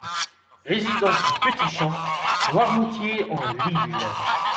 Résidence du Petit Champ, Noirmoutier-en-l'Île